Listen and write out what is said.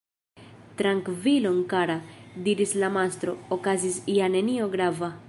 "Trankvilon, kara!" diris la mastro "okazis ja nenio grava".